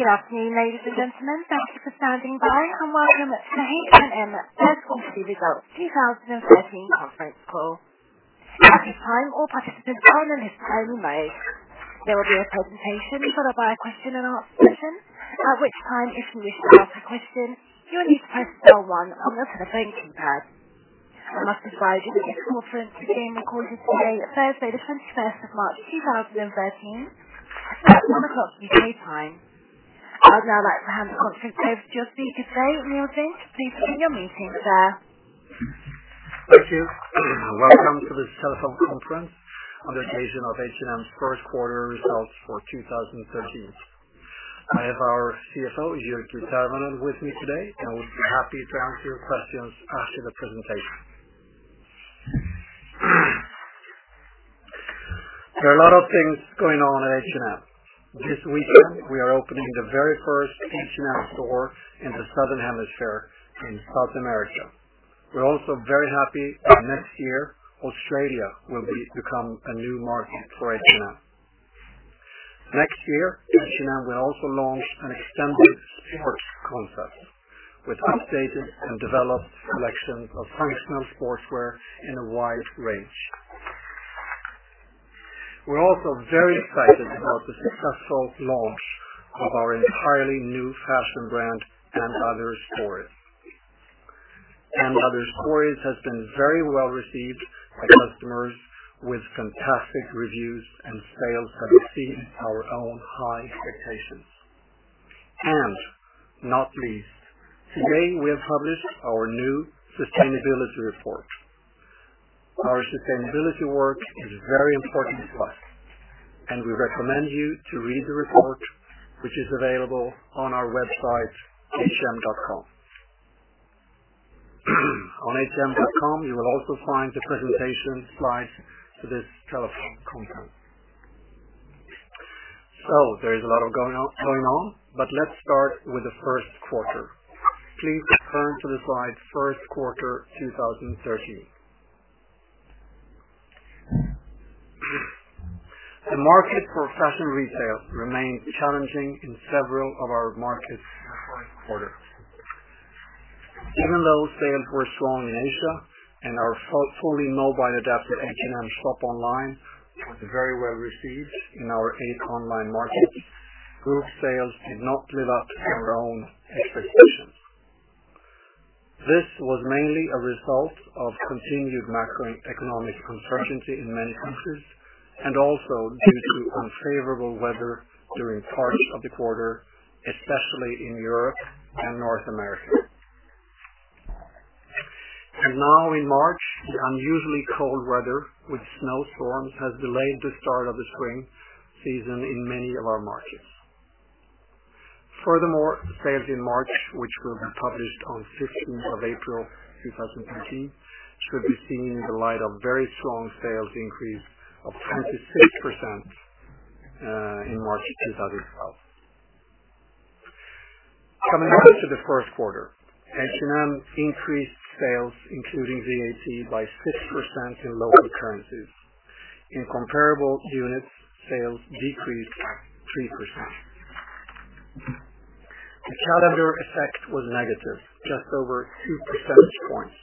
Good afternoon, ladies and gentlemen. Thank you for standing by, and welcome to H&M first quarter results 2013 conference call. At this time, all participants are on a listen-only mode. There will be a presentation followed by a question and answer session, at which time, if you wish to ask a question, you will need to press star one on your telephone keypad. I must advise you that this conference is being recorded today, Thursday the 21st of March 2013 at one o'clock U.K. time. I'd now like to hand the conference over to your speaker today, Karl-Johan. Please begin your meeting, sir. Thank you. Welcome to this telephone conference on the occasion of H&M's first quarter results for 2013. I have our CFO, Jyrki Tervonen with me today, and we'll be happy to answer your questions after the presentation. There are a lot of things going on at H&M. This weekend, we are opening the very first H&M store in the southern hemisphere in South America. We're also very happy that next year, Australia will become a new market for H&M. Next year, H&M will also launch an extended sports concept with updated and developed collections of functional sportswear in a wide range. We're also very excited about the successful launch of our entirely new fashion brand & Other Stories. & Other Stories has been very well received by customers with fantastic reviews, and sales have exceeded our own high expectations. Not least, today, we have published our new sustainability report. Our sustainability work is very important to us, and we recommend you to read the report, which is available on our website, hm.com. On hm.com, you will also find the presentation slides for this telephone conference. There is a lot going on, but let's start with the first quarter. Please turn to the slide, first quarter 2013. The market for fashion retail remained challenging in several of our markets in the first quarter. Even though sales were strong in Asia and our fully mobile-adapted H&M shop online was very well received in our eight online markets, group sales did not live up to our own expectations. This was mainly a result of continued macroeconomic uncertainty in many countries, and also due to unfavorable weather during parts of the quarter, especially in Europe and North America. Now in March, the unusually cold weather with snow storms has delayed the start of the spring season in many of our markets. Furthermore, sales in March, which will be published on sixteenth of April 2013, should be seen in the light of very strong sales increase of 26% in March 2012. Coming back to the first quarter, H&M increased sales including VAT by 6% in local currencies. In comparable units, sales decreased 3%. The calendar effect was negative, just over two percentage points,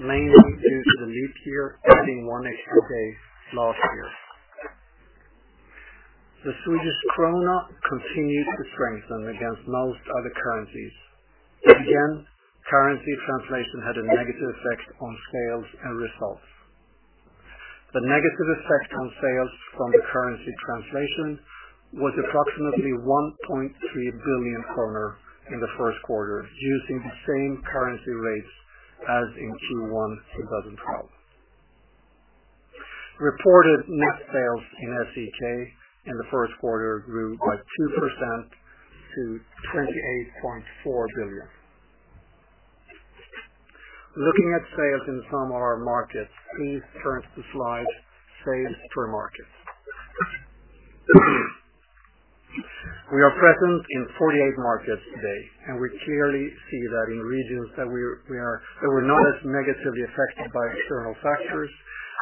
mainly due to the leap year adding one extra day last year. The Swedish krona continued to strengthen against most other currencies. Again, currency translation had a negative effect on sales and results. The negative effect on sales from the currency translation was approximately 1.3 billion kronor in the first quarter, using the same currency rates as in Q1 2012. Reported net sales in SEK in the first quarter grew by 2% to 28.4 billion. Looking at sales in some of our markets, please turn to slide, sales per market. We are present in 48 markets today, and we clearly see that in regions that were not as negatively affected by external factors,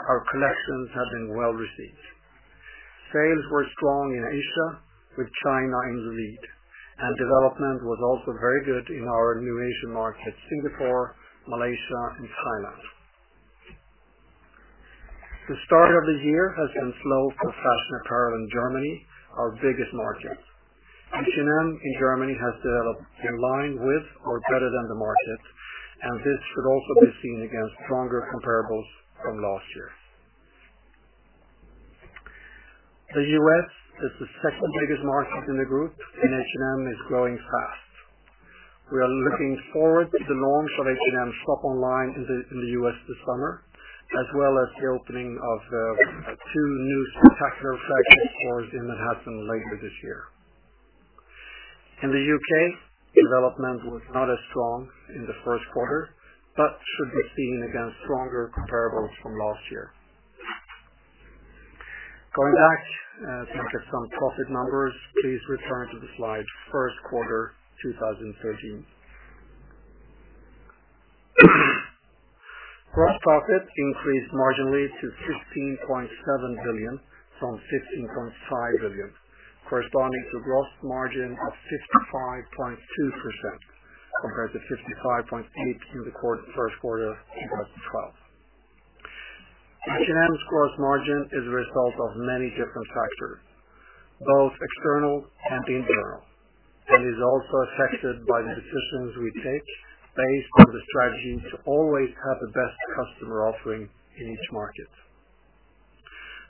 our collections have been well-received. Sales were strong in Asia, with China in the lead, and development was also very good in our new Asian markets, Singapore, Malaysia, and Thailand. The start of the year has been slow for fashion apparel in Germany, our biggest market. H&M in Germany has developed in line with or better than the market, and this should also be seen against stronger comparables from last year. The U.S. is the second biggest market in the group, and H&M is growing fast. We are looking forward to the launch of H&M shop online in the U.S. this summer, as well as the opening of two new spectacular flagship stores in Manhattan later this year. In the U.K., development was not as strong in the first quarter, but should be seen against stronger comparables from last year. Going back, let's look at some profit numbers. Please return to the slide, first quarter 2013. Gross profit increased marginally to 16.7 billion from 15.5 billion, corresponding to gross margin of 65.2% compared to 65.8% in the first quarter of 2012. H&M's gross margin is a result of many different factors, both external and internal, and is also affected by the decisions we take based on the strategy to always have the best customer offering in each market.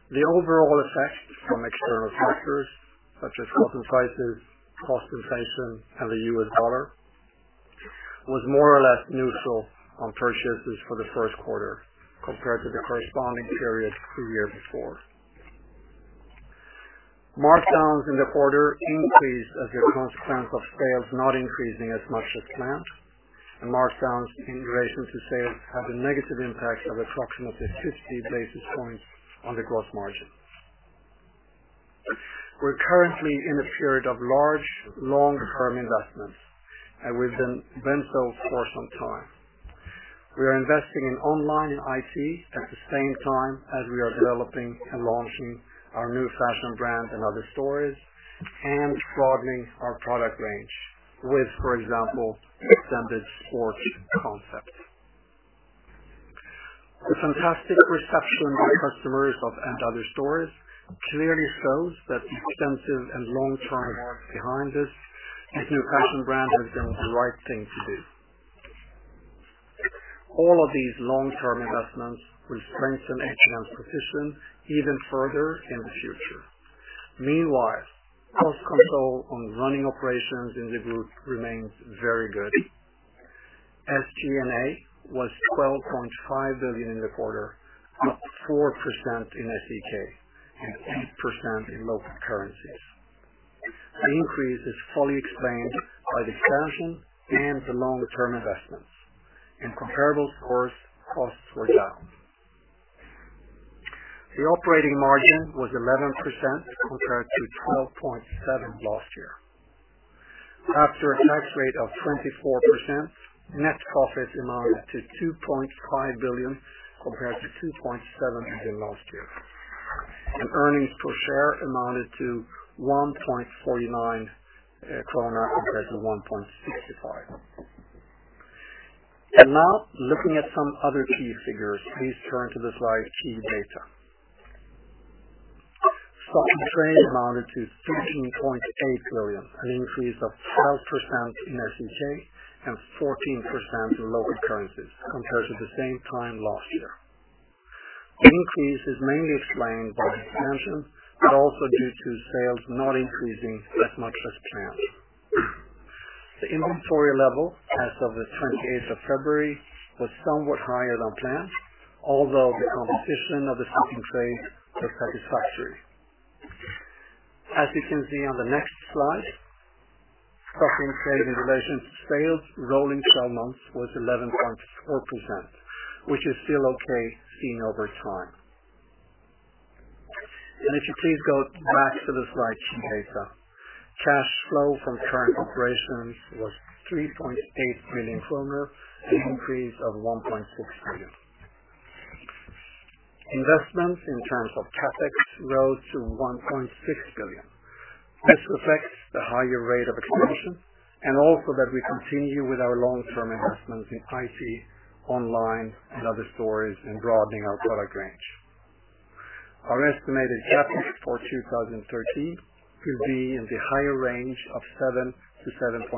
The overall effect from external factors such as cotton prices, cost inflation, and the U.S. dollar was more or less neutral on purchases for the first quarter compared to the corresponding period two years before. Markdowns in the quarter increased as a consequence of sales not increasing as much as planned, and markdowns in relation to sales had a negative impact of approximately 50 basis points on the gross margin. We're currently in a period of large long-term investments, and we've been so for some time. We are investing in online IT at the same time as we are developing and launching our new fashion brand & Other Stories and broadening our product range with, for example, extended sports concept. The fantastic reception by customers of & Other Stories clearly shows that extensive and long-term work behind this new fashion brand has been the right thing to do. All of these long-term investments will strengthen H&M's position even further in the future. Meanwhile, cost control on running operations in the group remains very good. SG&A was 12.5 billion in the quarter, up 4% in SEK and 8% in local currencies. The increase is fully explained by the expansion and the longer-term investments. In comparable stores, costs were down. The operating margin was 11% compared to 12.7% last year. After a tax rate of 24%, net profit amounted to 2.5 billion compared to 2.7 billion last year, and earnings per share amounted to 1.49 kronor compared to 1.65. Now looking at some other key figures, please turn to the slide Key Data. Stock in trade amounted to 13.8 billion, an increase of 12% in SEK and 14% in local currencies compared to the same time last year. The increase is mainly explained by expansion, but also due to sales not increasing as much as planned. The inventory level as of the 28th of February was somewhat higher than planned, although the composition of the stock-in-trade was satisfactory. As you can see on the next slide, stock-in-trade in relation to sales rolling 12 months was 11.4%, which is still okay seen over time. If you please go back to the slide Key Data. Cash flow from current operations was 3.8 billion kronor, an increase of 1.6 billion. Investments in terms of CapEx rose to 1.6 billion. This reflects the higher rate of expansion and also that we continue with our long-term investments in IT, online, and other stores, and broadening our product range. Our estimated CapEx for 2013 could be in the higher range of 7 billion-7.5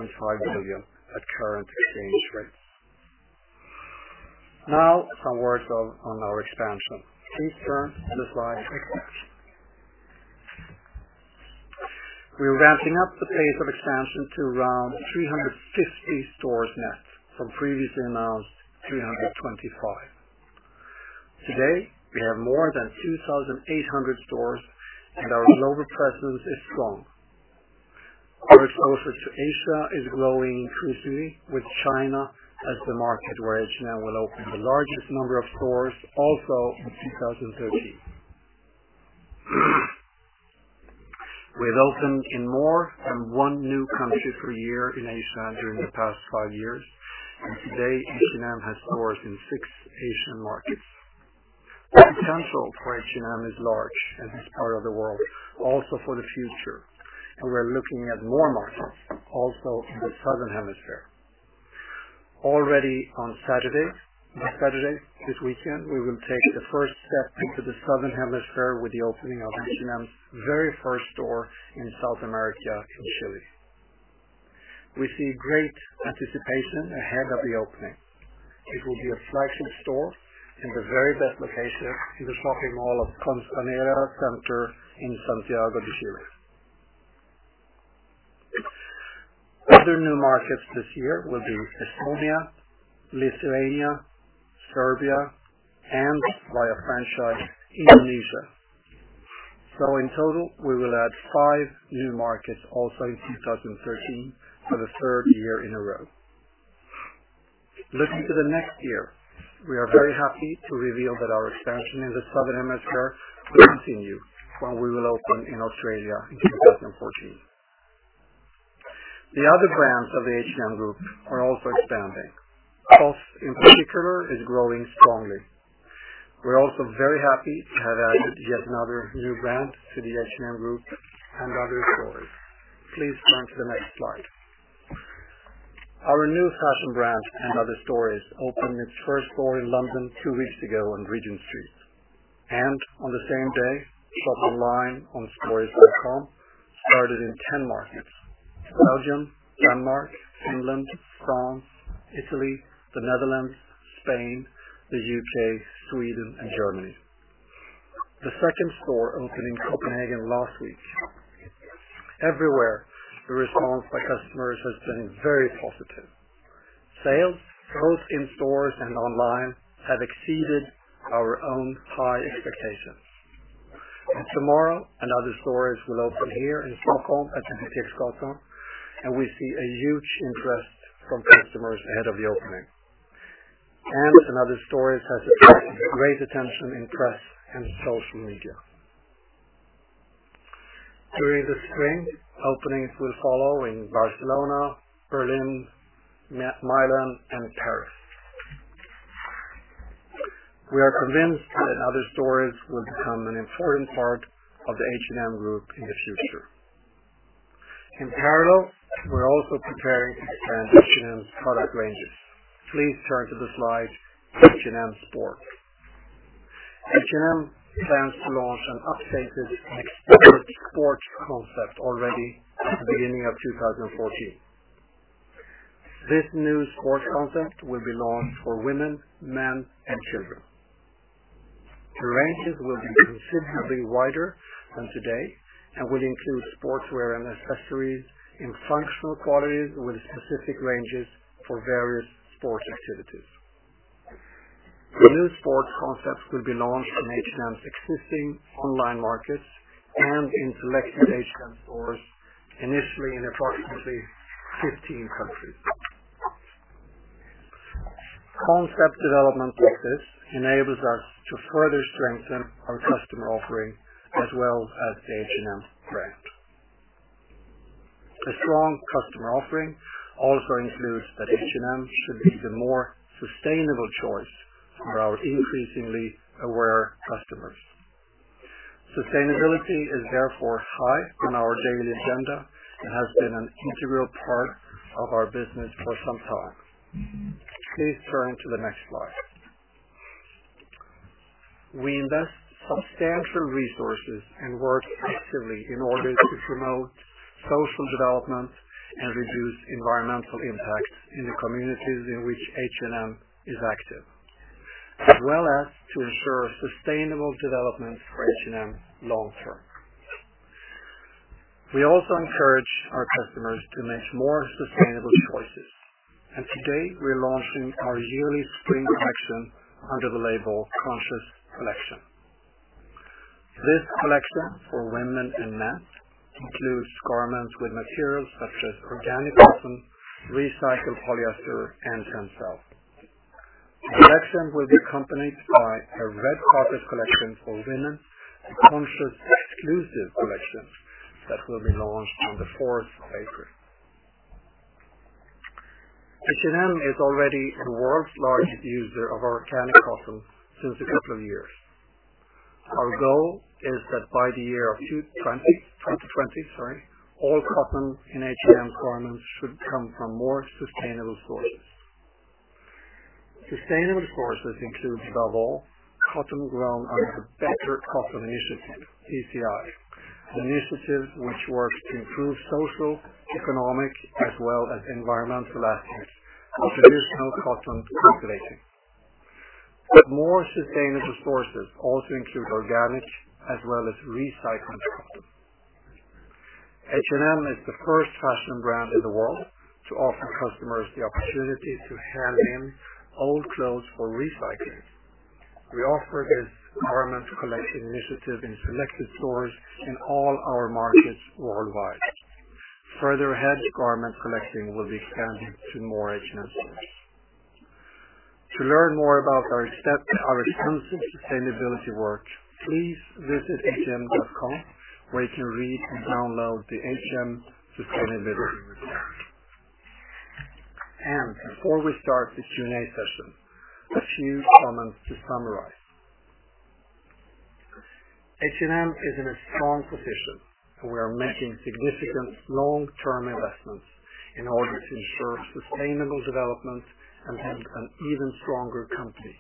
billion at current exchange rates. Some words on our expansion. Please turn to the slide Expansion. We are ramping up the pace of expansion to around 350 stores net from previously announced 325. Today, we have more than 2,800 stores and our global presence is strong. Our exposure to Asia is growing increasingly with China as the market where H&M will open the largest number of stores also in 2013. We have opened in more than one new country per year in Asia during the past five years, and today H&M has stores in six Asian markets. The potential for H&M is large in this part of the world also for the future, and we're looking at more markets, also in the Southern Hemisphere. Already on Saturday, this weekend, we will take the first step into the Southern Hemisphere with the opening of H&M's very first store in South America, in Chile. We see great anticipation ahead of the opening. It will be a flagship store in the very best location in the shopping mall of Costanera Center in Santiago de Chile. Other new markets this year will be Estonia, Lithuania, Serbia, and via franchise, Indonesia. In total, we will add five new markets also in 2013 for the third year in a row. Looking to the next year, we are very happy to reveal that our expansion in the Southern Hemisphere will continue when we will open in Australia in 2014. The other brands of the H&M Group are also expanding. COS, in particular, is growing strongly. We're also very happy to have added yet another new brand to the H&M Group, & Other Stories. Please turn to the next slide. Our new fashion brand, & Other Stories, opened its first store in London two weeks ago on Regent Street. On the same day, shop online on stories.com started in 10 markets: Belgium, Denmark, England, France, Italy, the Netherlands, Spain, the U.K., Sweden, and Germany. The second store opened in Copenhagen last week. Everywhere, the response by customers has been very positive. Sales, both in stores and online, have exceeded our own high expectations. Tomorrow, & Other Stories will open here in Stockholm at the PK-huset, and we see a huge interest from customers ahead of the opening. & Other Stories has attracted great attention in press and social media. During the spring, openings will follow in Barcelona, Berlin, Milan, and Paris. We are convinced that & Other Stories will become an important part of the H&M Group in the future. In parallel, we're also preparing H&M product ranges. Please turn to the slide H&M Sport. H&M plans to launch an updated and expanded sports concept already at the beginning of 2014. This new sports concept will be launched for women, men, and children. The ranges will be considerably wider than today and will include sportswear and accessories in functional qualities with specific ranges for various sports activities. The new sports concepts will be launched in H&M's existing online markets and in selected H&M stores, initially in approximately 15 countries. Concept development like this enables us to further strengthen our customer offering as well as the H&M brand. A strong customer offering also includes that H&M should be the more sustainable choice for our increasingly aware customers. Sustainability is therefore high on our daily agenda and has been an integral part of our business for some time. Please turn to the next slide. We invest substantial resources and work actively in order to promote social development and reduce environmental impact in the communities in which H&M is active, as well as to ensure sustainable development for H&M long term. We also encourage our customers to make more sustainable choices. Today we're launching our yearly spring collection under the label Conscious Collection. This collection for women and men includes garments with materials such as organic cotton, recycled polyester, and Tencel. The collection will be accompanied by a red carpet collection for women, a Conscious Exclusive Collection that will be launched on the fourth of April. H&M is already the world's largest user of organic cotton since a couple of years. Our goal is that by the year 2020, all cotton in H&M garments should come from more sustainable sources. Sustainable sources include, above all, cotton grown under the Better Cotton Initiative, BCI. It's an initiative which works to improve social, economic, as well as environmental aspects of traditional cotton cultivation. More sustainable sources also include organic as well as recycled cotton. H&M is the first fashion brand in the world to offer customers the opportunity to hand in old clothes for recycling. We offer this garment collection initiative in selected stores in all our markets worldwide. Further ahead, garment collecting will be expanded to more H&M stores. To learn more about our extensive sustainability work, please visit hm.com where you can read and download the H&M sustainability report. Before we start the Q&A session, a few comments to summarize. H&M is in a strong position, and we are making significant long-term investments in order to ensure sustainable development and an even stronger company.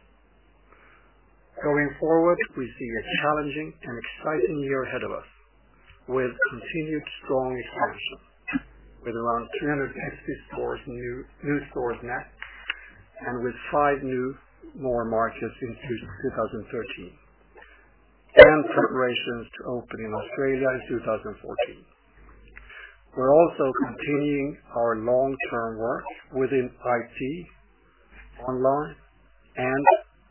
Going forward, we see a challenging and exciting year ahead of us with continued strong expansion with around 360 new stores net, with five new more markets in 2013, and preparations to open in Australia in 2014. We're also continuing our long-term work within IT online and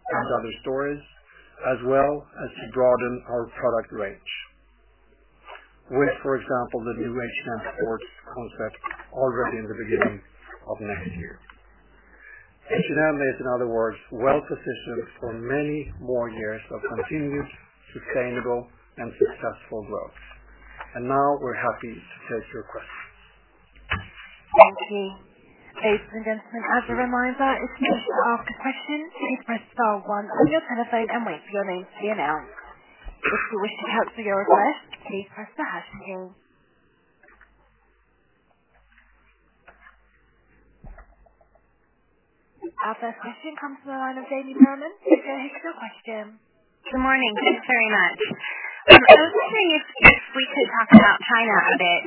& Other Stories, as well as to broaden our product range with, for example, the new H&M Sport concept already in the beginning of next year. H&M is, in other words, well-positioned for many more years of continued sustainable and successful growth. Now we're happy to take your questions. Thank you. Ladies and gentlemen, as a reminder, if you wish to ask a question, please press star one on your telephone and wait for your name to be announced. If you wish to be removed from this, please press the hash key. Our first question comes from the line of Amy Davis. You can go ahead with your question. Good morning. Thanks very much. I was wondering if we could talk about China a bit,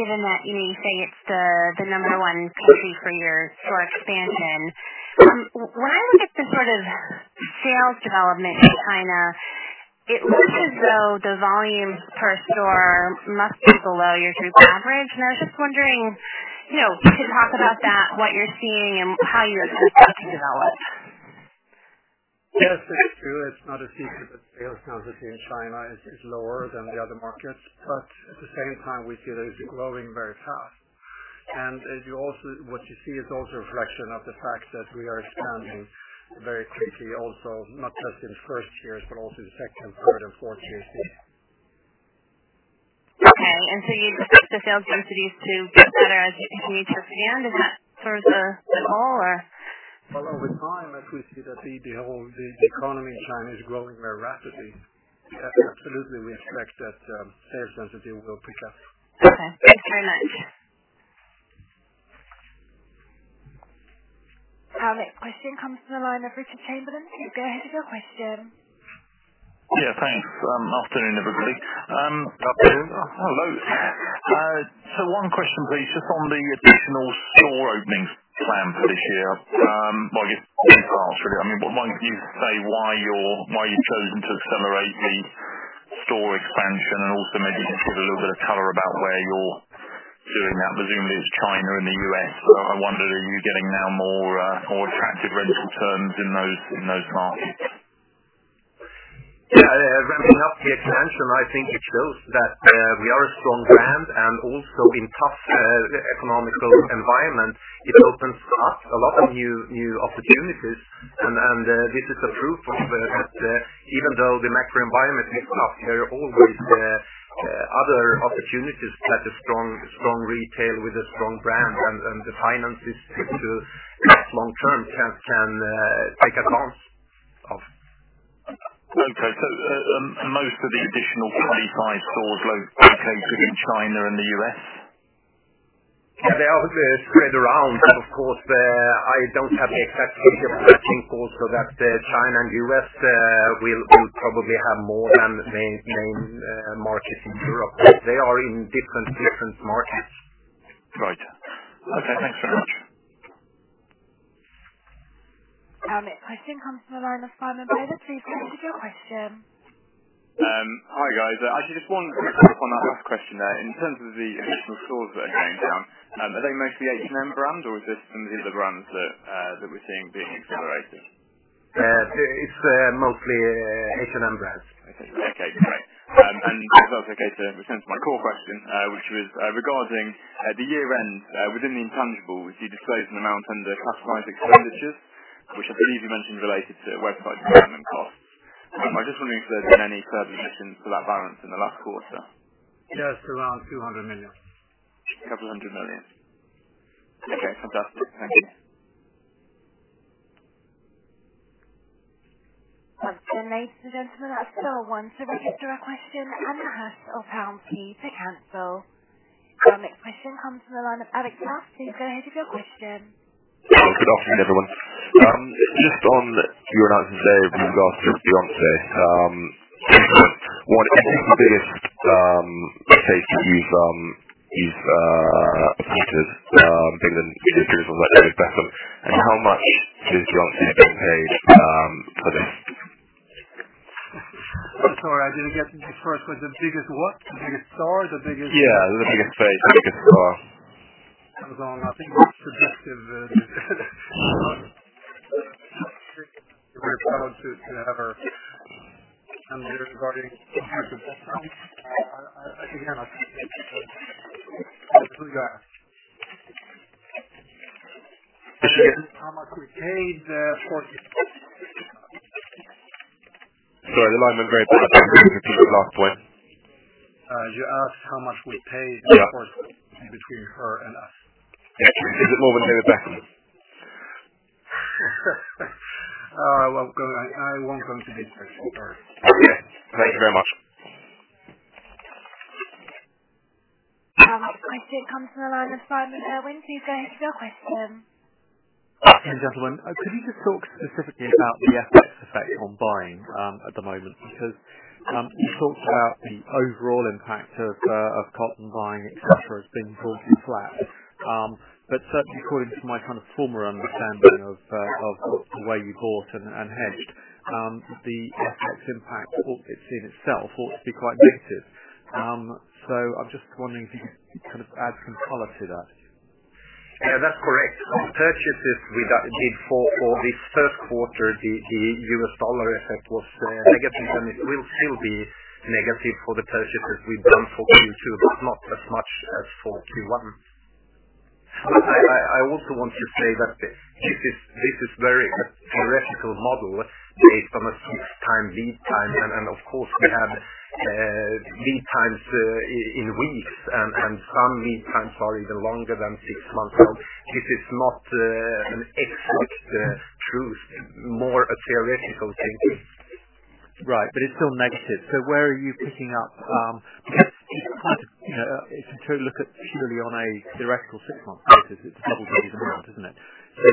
given that you say it's the number one country for your store expansion. When I look at the sales development in China, it looks as though the volume per store must be below your group average, and I was just wondering if you could talk about that, what you're seeing, and how you expect that to develop. Yes, that's true. It's not a secret that sales density in China is lower than the other markets. At the same time, we see that it's growing very fast. What you see is also a reflection of the fact that we are expanding very quickly also, not just in first years, but also in second, third, and fourth years. Okay. You'd expect the sales densities to get better as you continue to expand. Is that fair at all? Well, over time, as we see the economy in China is growing very rapidly. Absolutely, we expect that sales density will pick up. Okay. Thanks very much. Our next question comes from the line of [Richard Chamberlain]. You can go ahead with your question. Yeah, thanks. Afternoon, everybody. Afternoon. Hello. One question, please, just on the additional store openings plan for this year. I guess, high level, could you say why you've chosen to accelerate the store expansion and also maybe just give a little bit of color about where you're doing that? Presumably, it's China and the U.S. I wonder, are you getting now more attractive rental terms in those markets? Ramping up the expansion, I think it shows that we are a strong brand and also in tough economic environment, it opens up a lot of new opportunities. This is a proof point that even though the macro environment is tough, there are always other opportunities that a strong retail with a strong brand and the finances to last long term can take advantage of. Okay. Most of the additional 25 stores located in China and the U.S.? They are spread around. Of course, I don't have the exact split. I think also that China and U.S. will probably have more than the main markets in Europe. They are in different markets. Right. Okay, thanks very much. Our next question comes from the line of [Simon Rogers]. Please go ahead with your question. Hi, guys. I just wonder, on the last question, in terms of the additional stores that are going down, are they mostly H&M brands or is this some of the other brands that we're seeing being accelerated? It's mostly H&M brands. Okay, great. If that's okay to return to my core question, which was regarding the year-end within the intangible, which you disclosed in the amount under capitalized expenditures, which I believe you mentioned related to workforce development costs. I was just wondering if there's been any further additions to that balance in the last quarter? Yes, around 200 million. SEK a couple of hundred million. Okay, fantastic. Thank you. Ladies and gentlemen, that is star one to register a question and the hashtag or pound key to cancel. Our next question comes from the line of Alex Smith. You can go ahead with your question. Good afternoon, everyone. Just on you announcing today that you engaged with Beyoncé. What is the biggest face you've featured other than maybe someone like David Beckham, and how much did Beyoncé get paid for this? I'm sorry, I didn't get the first. The biggest what? The biggest star? The biggest- Yeah, the biggest face, the biggest star. That was all, I think, very subjective. We are proud to have her. Regarding the financial part, again, I can't disclose that. Sure. How much we paid for- Sorry, the line went very bad there. Could you repeat the last point? You asked how much we paid for the deal between her and us. Yeah. Is it more than David Beckham? Well, I won't comment on his, actually, sorry. Okay. Thank you very much. Our next question comes from the line of Simon Irwin. Please go ahead with your question. Good afternoon, gentlemen. Could you just talk specifically about the FX effect on buying at the moment? You talked about the overall impact of cotton buying, et cetera, has been broadly flat. Certainly according to my former understanding of the way you bought and hedged, the FX impact in itself ought to be quite negative. I'm just wondering if you could add some color to that. Yeah, that's correct. Purchases we did for the first quarter, the US dollar effect was negative, and it will still be negative for the purchases we've done for Q2, but not as much as for Q1. I also want to say that this is a very theoretical model based on a six-month lead time. Of course, we have lead times in weeks, and some lead times are even longer than six months. This is not an exact truth, more a theoretical thinking. Right. It's still negative. Where are you picking up? If you try to look at purely on a theoretical six months basis, it's double digits amount, isn't it?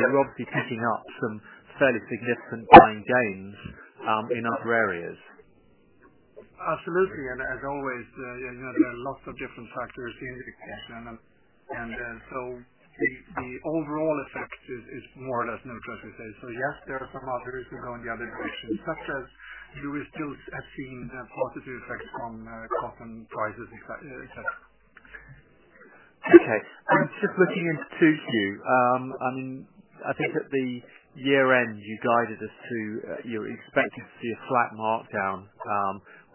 You're obviously picking up some fairly significant time gains in other areas. Absolutely. As always, there are lots of different factors in the equation. The overall effect is more or less neutral, as I said. Yes, there are some other risks going the other direction, such as we still have seen positive effects from cotton prices, et cetera. Okay. Just looking into Q2. I think at the year-end, you expected to see a flat markdown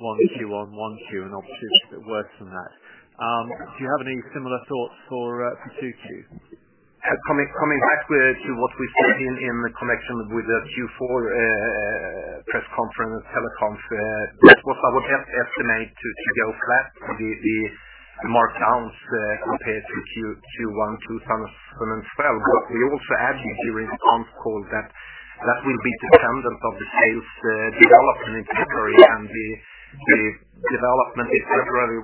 Q1 and Q2. Obviously, it is a bit worse than that. Do you have any similar thoughts for Q2? Coming back to what we said in the connection with the Q4 press conference teleconference, that was our best estimate to go flat for the markdowns compared to Q1 2012. We also added during the earnings call that will be dependent on the sales development in February. The development in February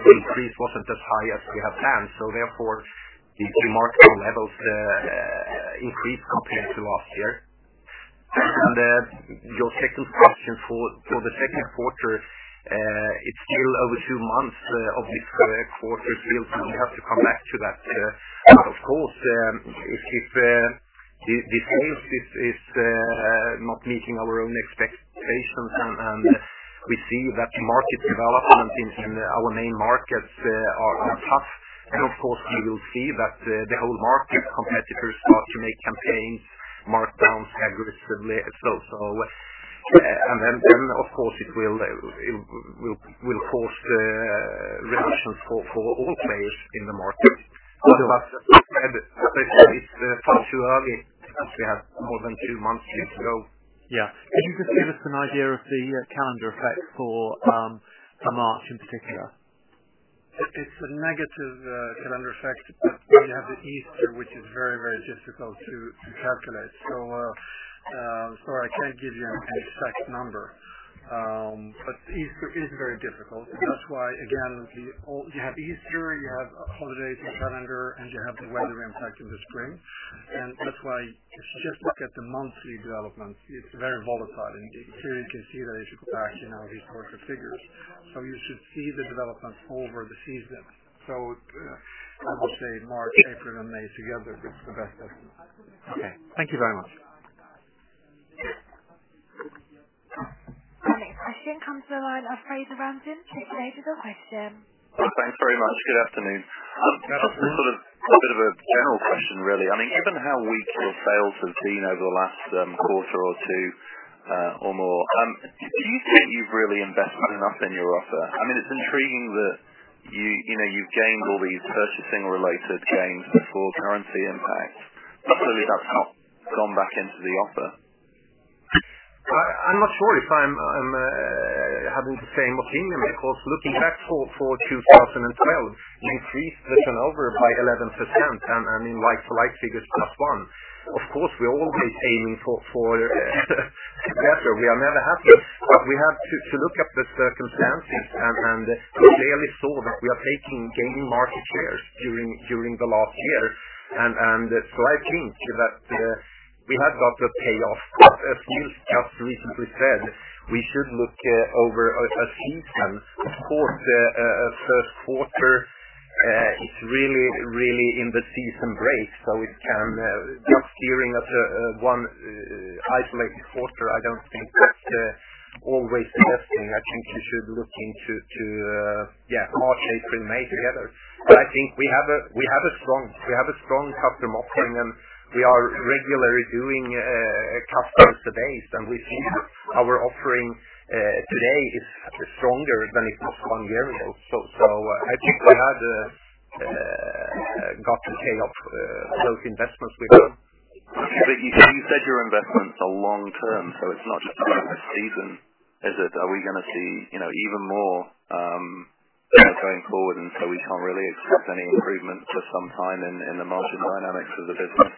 increase was not as high as we had planned. Therefore, the markdown levels increased compared to last year. Your second question for the second quarter, it is still over two months of this quarter. We have to come back to that. Of course, if the sales is not meeting our own expectations and we see that market development in our main markets are tough, of course we will see that the whole market competitors start to make campaigns, markdowns aggressively. Of course, it will force a reaction for all players in the market. As I said, it is far too early, since we have more than two months to go. Yeah. Could you just give us an idea of the calendar effect for March in particular? It's a negative calendar effect. We have the Easter, which is very difficult to calculate. I can't give you an exact number. Easter is very difficult. That's why, again, you have Easter, you have holidays in calendar, and you have the weather impact in the spring. That's why just look at the monthly development. It's very volatile. Here you can see that it's back in our historical figures. You should see the development over the season. I would say March, April, and May together gives the best estimate. Thank you very much. Next question comes the line of Fraser Rampton. Please state your question. Thanks very much. Good afternoon. Just sort of a bit of a general question, really. I mean, given how weak your sales have been over the last quarter or two or more, do you think you've really invested enough in your offer? I mean, it's intriguing that you've gained all these purchasing related gains before currency impact. Clearly that's not gone back into the offer. I'm not sure if I'm having the same opinion. Looking back for 2012, we increased turnover by 11%, and in like for like figures, plus 1%. Of course, we're always aiming for better. We are never happy. We have to look at the circumstances, and we clearly saw that we are gaining market shares during the last year. I think that we have got the payoff. As Nils just recently said, we should look over a season. Of course, first quarter is really in the season break, just hearing one isolated quarter, I don't think that's always the best thing. I think you should be looking to March, April, and May together. I think we have a strong customer offering, and we are regularly doing customer surveys, and we see our offering today is stronger than it was one year ago. I think we have got the payoff for those investments we've done. You said your investments are long-term, it's not just about a season, is it? Are we going to see even more going forward we can't really expect any improvement for some time in the margin dynamics of the business?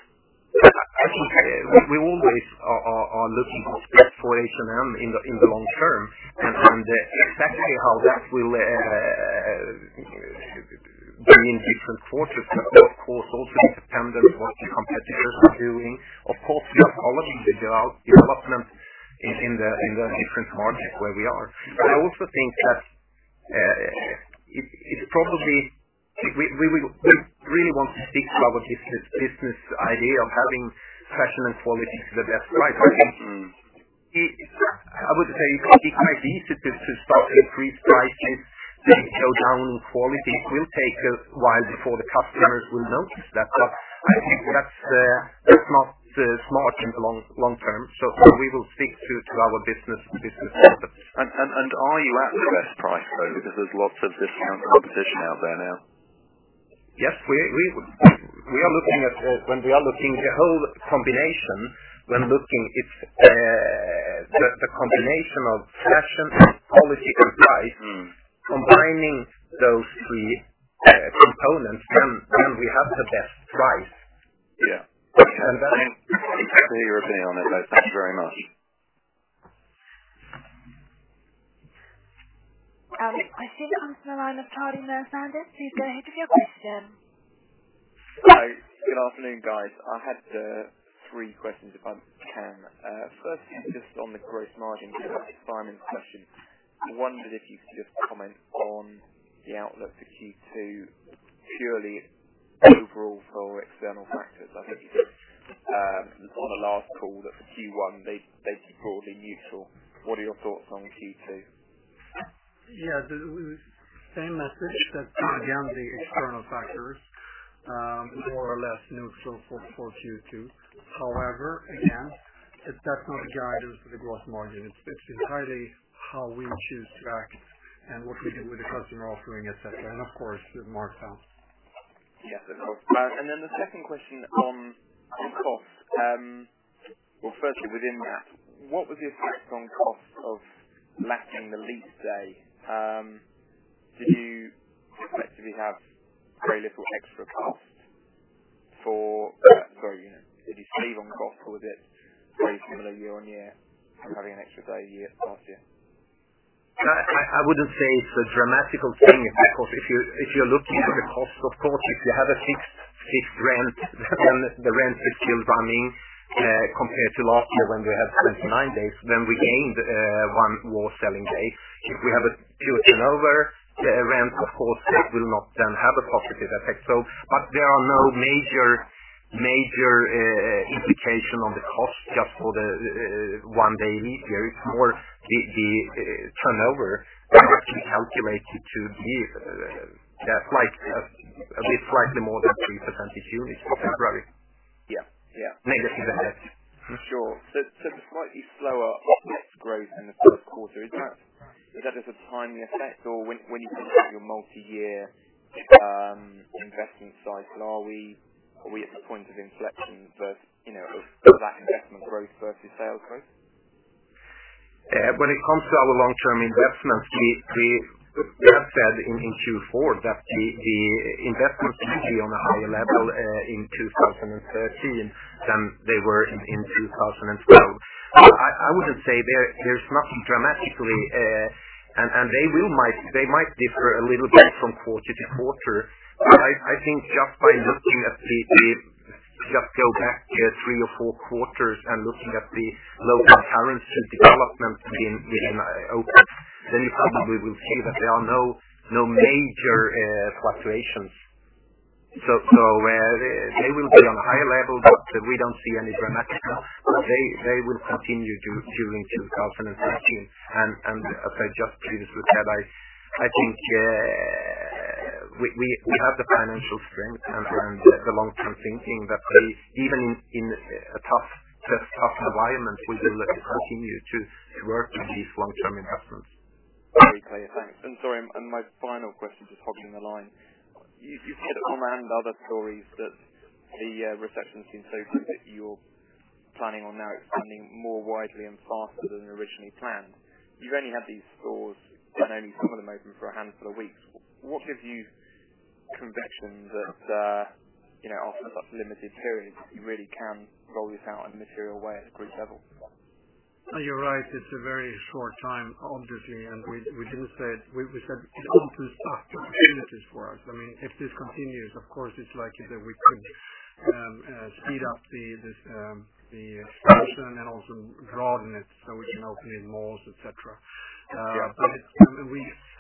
I think we always are looking for H&M in the long term, exactly how that will bring different quarters. Of course, also it's dependent what the competitors are doing. Of course, we are following the development in the different markets where we are. I also think that we really want to stick to our business idea of having fashion and quality to the best price. I would say it could be quite easy to start to increase prices, but if you go down in quality, it will take a while before the customers will notice that. I think that's not smart in the long term. We will stick to our business purpose. Are you at the best price, though? Because there's lots of composition out there now. Yes. When we are looking at the whole combination, when looking at the combination of fashion, quality, and price, combining those three components, then we have the best price. Yeah. And that- Thanks for your opinion on it. Thank you very much. Alex, I see it comes from the line of Charlie Sanders. Please go ahead with your question. Hi. Good afternoon, guys. I had three questions, if I can. Firstly, just on the gross margin, just Simon's question. I wondered if you could just comment on the outlook for Q2. Surely, overall for external factors, I think you said on the last call that for Q1 they broadly neutral. What are your thoughts on Q2? Yeah. Same message. That, again, the external factors, more or less neutral for Q2. Again, that's not a guidance for the gross margin. It's entirely how we choose to act and what we do with the customer offering, et cetera, and of course, the markdown. Yes, of course. The second question on costs. Well, firstly, within that, what was the effect on cost of lacking the leap day? Do you effectively have very little extra cost? Did you save on costs or was it very similar year-on-year for having an extra day a year last year? I wouldn't say it's a dramatic thing, because if you're looking at the cost, of course, if you have a fixed rent, the rent is still running, compared to last year when we had 29 days, then we gained one more selling day. If we have a turnover, the rent, of course, it will not then have a positive effect. There are no major implication on the cost just for the one day leap year. It's more the turnover that we calculated to be a bit slightly more than three percentage units. Right. Yeah. Negative effect. For sure. Slightly slower growth in the first quarter. Is that as a one-time effect? Or when you look at your multi-year investment cycle, are we at the point of inflection of that investment growth versus sales growth? When it comes to our long-term investments, we have said in Q4 that the investments should be on a higher level in 2013 than they were in 2012. I wouldn't say there's anything dramatic, and they might differ a little bit from quarter to quarter. I think by looking at [inaudible] three or four quarters and looking at the [inaudible] and development within openings, then you probably will see that there are no major fluctuations. They will be on a higher level, but we don't see anything dramatic. They will continue during 2013. As I just previously said, I think we have the financial strength and the long-term thinking that even in a tough environment, we will continue to work on these long-term investments. Okay. Thanks. Sorry, my final question, just hogging the line. You've hinted on & Other Stories that the reception's been so good that you're planning on now expanding more widely and faster than originally planned. You've only had these stores and only some of them open for a handful of weeks. What gives you conviction that, after that limited period, you really can roll this out in a material way at group level? You're right. It's a very short time, obviously. We just said, it opens up opportunities for us. If this continues, of course, it's likely that we could speed up the expansion and also broaden it so we can open in malls, et cetera. Yeah.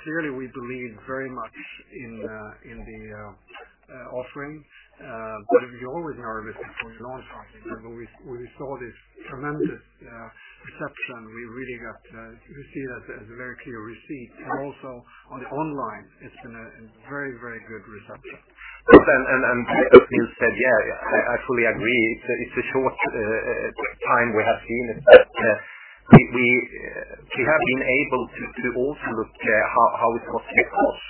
Clearly, we believe very much in the offering. We always knew this from launch, when we saw this tremendous reception, we see that as a very clear read. Also on the online, it's been a very good reception. As Nils said, yeah, I fully agree. It is a short time we have seen it, but we have been able to also look how it was at COS,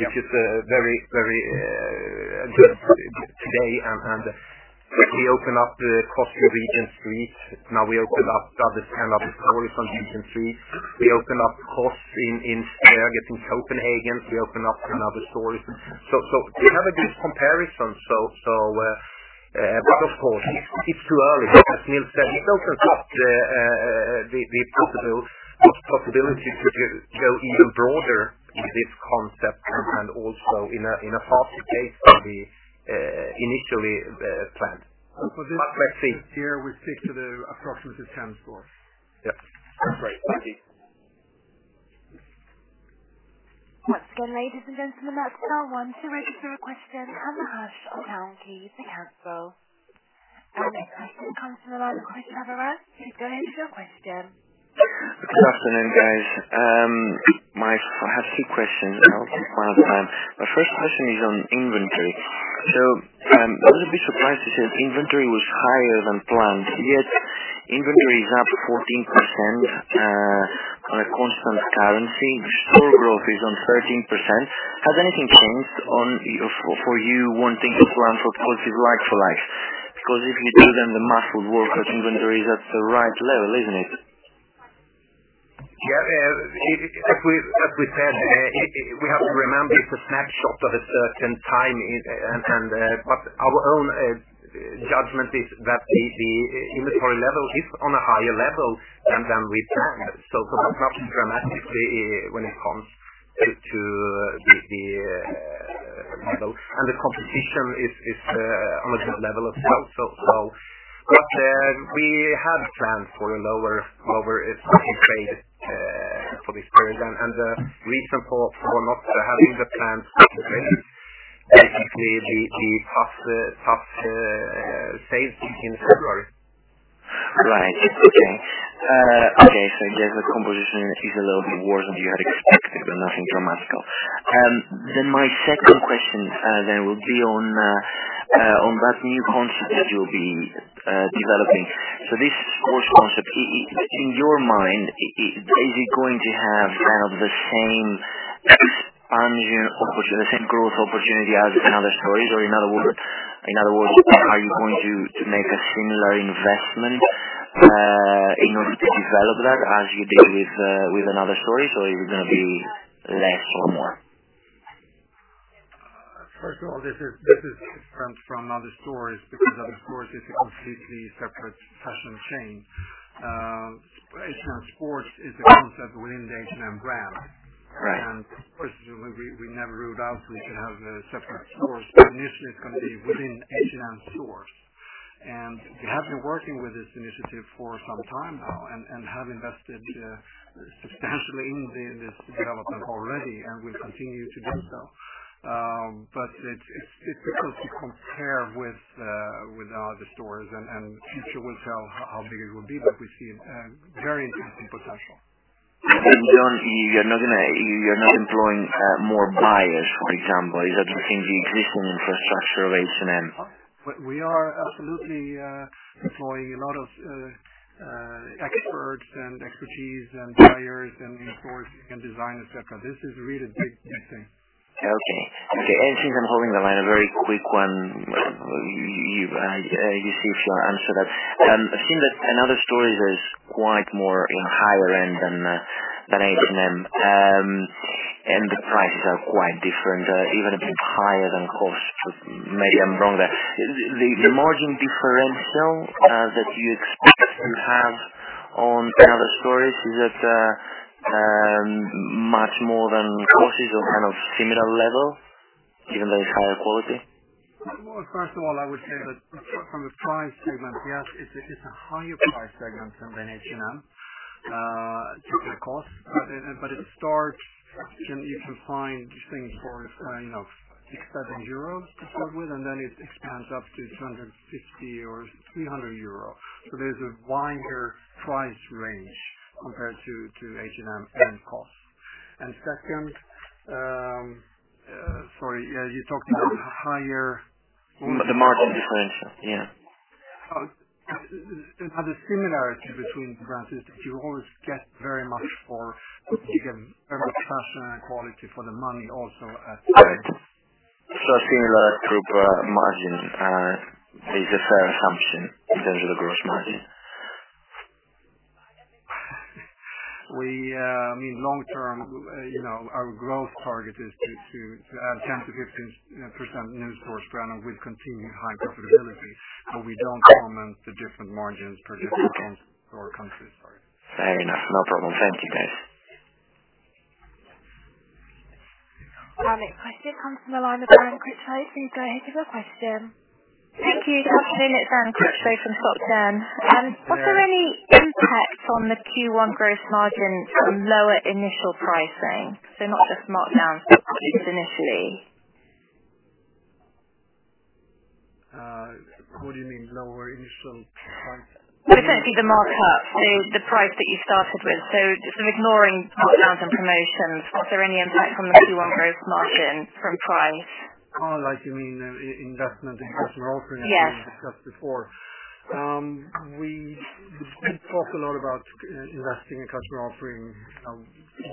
which is very today, and we opened up the COS Regent Street. We opened up another store on Regent Street. We opened up COS in Copenhagen. We opened up another store. We have a good comparison. Of course, it is too early. As Nils said, it opens up the possibility to go even broader in this concept and also in a faster pace than we initially planned. Let's see. This year, we stick to the approximately 10 stores. Yep. Great. Thank you. Once again, ladies and gentlemen, that is dial one to register a question from the hash key to cancel. Our next question comes from the line of Christodoulos Chaviaras. Please go ahead with your question. Good afternoon, guys. I have three questions. I won't take a lot of time. My first question is on inventory. I was a bit surprised to see that inventory was higher than planned, yet inventory is up 14% on a constant currency. Store growth is on 13%. Has anything changed for you wanting to plan for [quality like-for-like]? Because if you do, then the math would work if inventory is at the right level, isn't it? Yeah. As we said, we have to remember it's a snapshot of a certain time, our own judgment is that the inventory level is on a higher level than we planned. It's nothing dramatic when it comes to the model, the composition is on a good level as well. We had planned for a lower trade for this period. The reason for not having the planned is the tough sales in February. Right. Okay. Yeah, the composition is a little bit worse than you had expected, nothing dramatic. My second question then would be on that new concept that you'll be developing. This sports concept, in your mind, is it going to have the same expansion, the same growth opportunity as & Other Stories? In other words, are you going to make a similar investment in order to develop that as you did with & Other Stories, or is it going to be less or more? First of all, this is different from & Other Stories because, of course, it's a completely separate fashion chain. H&M Sport is a concept within the H&M brand. Of course, we never rule out we can have a separate store. Initially, it's going to be within H&M stores. We have been working with this initiative for some time now and have invested substantially in this development already, and we'll continue to do so. It's difficult to compare with other stores, the future will tell how big it will be. We see very interesting potential. You're not employing more buyers, for example. Is that within the existing infrastructure of H&M? We are absolutely employing a lot of experts and expertise and buyers in sports and design, et cetera. This is really a big thing. Okay. Since I'm holding the line, a very quick one. You see if you want to answer that. I've seen that & Other Stories is quite more in higher end than H&M, and the prices are quite different, even a bit higher than COS. Maybe I'm wrong there. The margin differential that you expect to have on & Other Stories, is it much more than COS' or kind of similar level, even though it's higher quality? Well, first of all, I would say that from a price segment, yes, it's a higher price segment than H&M, typical COS. At the start, you can find things for 6, 7 euros, to start with, then it expands up to 250 or 300 euros. There's a wider price range compared to H&M and COS. Second Sorry, you talked about higher- The margin differential. Yeah. The similarity between the brands is that you always get very much fashion and quality for the money also at COS. A similar group margin is a fair assumption in terms of the gross margin. Long-term, our growth target is to add 10%-15% new stores per annum with continued high profitability, but we don't comment the different margins per different store concepts. Fair enough. No problem. Thank you, guys. Next question comes from the line of Erwan Rambourg. Please go ahead with your question. Thank you. It's Erwan Rambourg from. [inaudible] Was there any impact on the Q1 gross margin from lower initial pricing? Not just markdowns, but prices initially. What do you mean lower initial price? I meant the markups. The price that you started with. Ignoring markdowns and promotions, was there any impact on the Q1 gross margin from price? Oh, you mean investment in customer offering. Yes like we discussed before. We talked a lot about investing in customer offering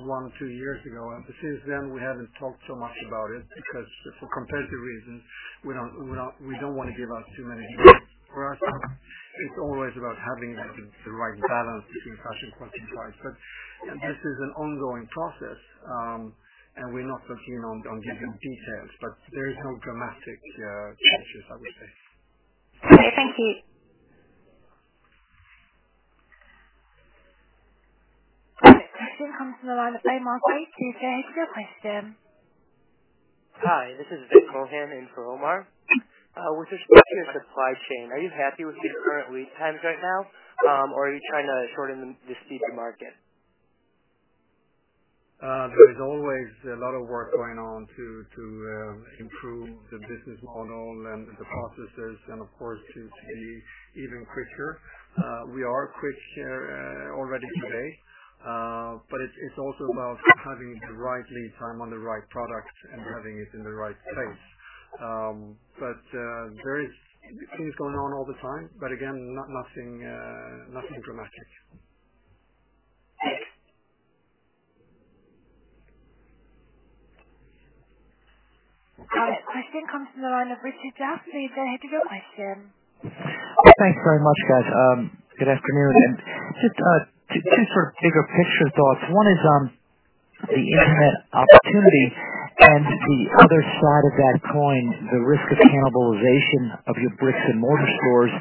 one or two years ago. Since then, we haven't talked so much about it because, for competitive reasons, we don't want to give out too many details. For us, it's always about having the right balance between fashion, quality, price. This is an ongoing process, and we're not going to give you details, but there is no dramatic changes, I would say. Okay. Thank you. Next question comes from the line of [Clay Marcoe]. Please go ahead with your question. Hi, this is Vic Mohan in for Omar. With respect to your supply chain, are you happy with your current lead times right now? Are you trying to shorten them to suit the market? There is always a lot of work going on to improve the business model and the processes and, of course, to be even quicker. We are quick already today, but it's also about having the right lead time on the right products and having it in the right place. There are things going on all the time, but again, nothing dramatic. Next. Next question comes from the line of Richard Jeffries. Go ahead with your question. Thanks very much, guys. Good afternoon. Just two sort of bigger picture thoughts. One is on the internet opportunity and the other side of that coin, the risk of cannibalization of your bricks and mortar stores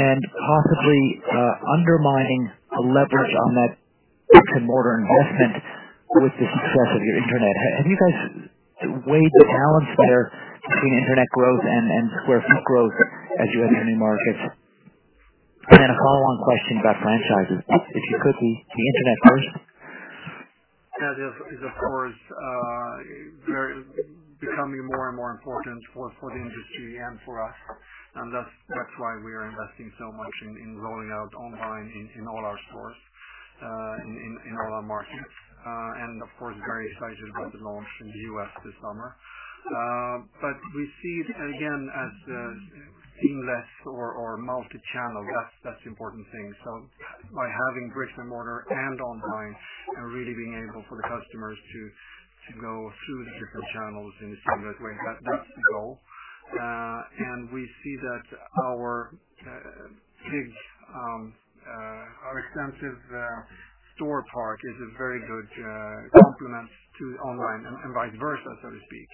and possibly undermining the leverage on that bricks and mortar investment with the success of your internet. Have you guys weighed the balance there between internet growth and square feet growth as you enter new markets? A follow-on question about franchises, if you could. The internet first. Yeah. This is, of course, becoming more and more important for the industry and for us. That's why we are investing so much in rolling out online in all our stores, in all our markets, and of course, very excited about the launch in the U.S. this summer. We see it, again, as seamless or multi-channel. That's the important thing. By having bricks and mortar and online, and really being able for the customers to go through the different channels in the same way, that's the goal. We see that our big, our extensive store part is a very good complement to online and vice versa, so to speak.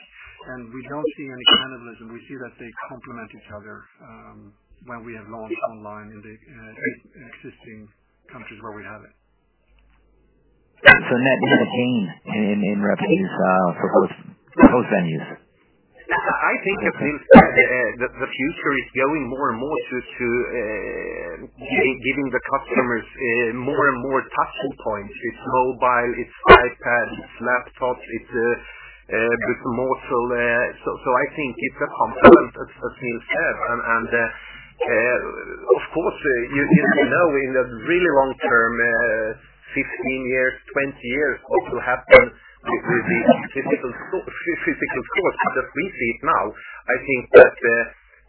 We don't see any cannibalism. We see that they complement each other, when we have launched online in existing countries where we have it. Net, is it a gain in revenues for both venues? I think, the future is going more and more to giving the customers more and more touching points. It's mobile, it's iPad, it's laptop, it's bricks and mortar. I think it's a complement, as Nils said. Of course, you didn't know in the really long term, 15 years, 20 years, what will happen with the physical stores. As we see it now, I think that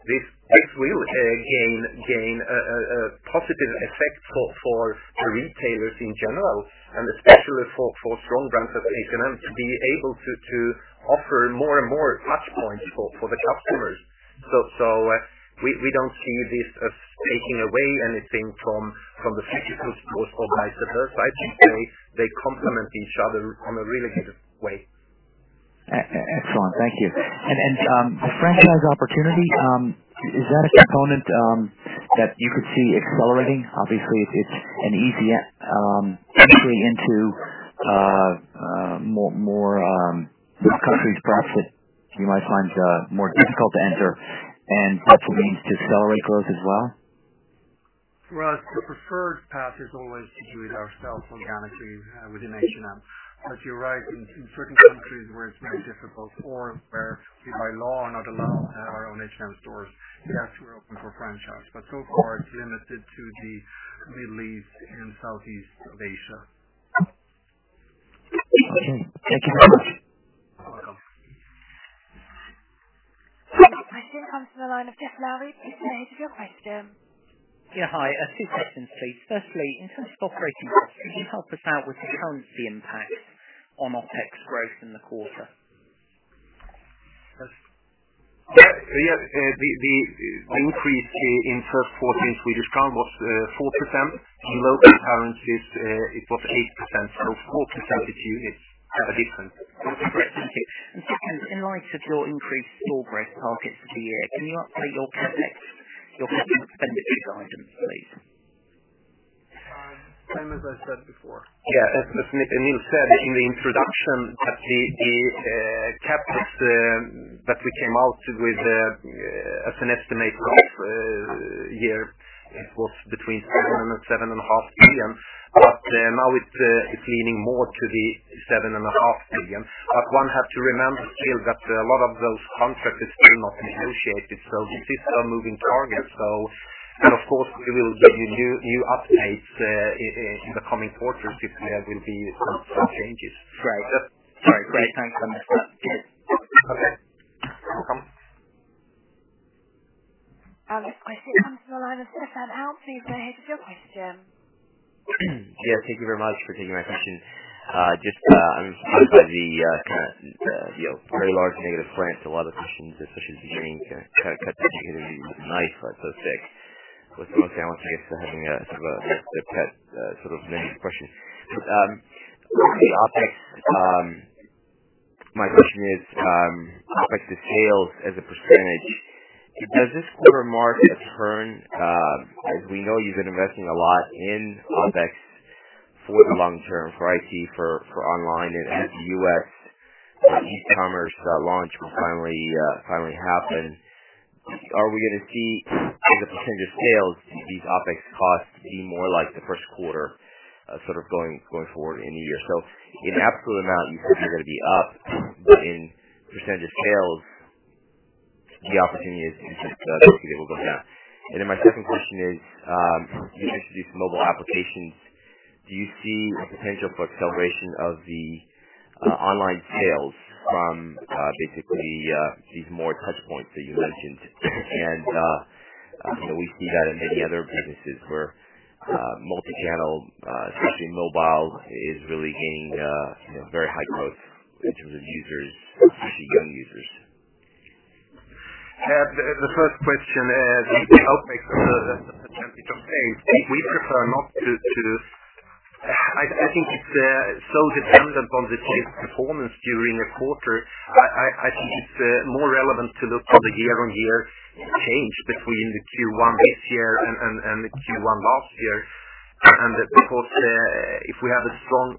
this will gain a positive effect for retailers in general and especially for strong brands like H&M to be able to offer more and more touchpoints for the customers. We don't see this as taking away anything from the physical stores or vice versa. I think they complement each other in a really good way. Excellent. Thank you. The franchise opportunity, is that a component that you could see accelerating? Obviously, it's an easy way into more countries, perhaps, that you might find more difficult to enter, and potentially means to accelerate growth as well. Well, the preferred path is always to do it ourselves organically within H&M. You're right, in certain countries where it's very difficult or where by law are not allowed our own H&M stores, yes, we're open for franchise. So far, it's limited to the Middle East and Southeast Asia. Okay. Thank you very much. You're welcome. Next question comes from the line of Jeff Laury. Please go ahead with your question. Yeah. Hi. Two questions, please. Firstly, in terms of operating costs, can you help us out with the currency impact on OpEx growth in the quarter? Yeah. The increase in first quarter in Swedish krona was 4%. In local currencies, it was 8%. 4%, if you have a difference. Great. Thank you. Second, in light of your increased store growth targets for the year, can you update your CapEx, your capital expenditure guidance, please? Same as I said before. Yeah. As Nils said in the introduction, that the CapEx that we came out with as an estimate for this year, it was between 7 billion and SEK 7.5 billion. Now it's leaning more to the 7.5 billion. One has to remember still that a lot of those contracts are still not negotiated, so this is a moving target. Of course, we will give you new updates, in the coming quarters, if there will be some changes. Great. All right. Great. Thanks so much. Okay. You're welcome. Next question comes from the line of Stefan Alk. Please go ahead with your question. Yeah. Thank you very much for taking my question. Just, I'm surprised by the very large negative print a lot of questions, especially at the beginning, cut to the chase with a knife, so to speak. With no down, I guess they're having a. [inaudible] My question is, OpEx to sales as a percentage, does this quarter mark a turn? As we know, you've been investing a lot in OpEx for long term, for IT, for online, and as U.S. The e-commerce launch will finally happen. Are we going to see, as a percentage of sales, these OpEx costs be more like the first quarter, sort of going forward in the year? In absolute amount, you said you're going to be up, but in percentage of sales, the opportunity is to be able to go down. My second question is, you introduced mobile applications. Do you see a potential for acceleration of the online sales from basically these more touch points that you mentioned? We see that in many other businesses where multi-channel, especially mobile, is really gaining very high growth in terms of users, especially young users. The first question, the outlays. We prefer not to I think it's so dependent on the sales performance during a quarter. I think it's more relevant to look for the year-on-year change between the Q1 this year and the Q1 last year. Because if we have a strong